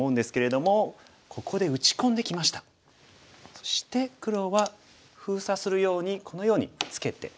そして黒は封鎖するようにこのようにツケて。